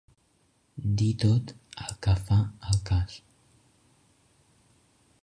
Dir tot el que fa al cas.